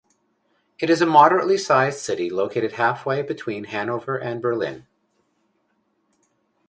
It is a moderately sized city located halfway between Hannover and Berlin.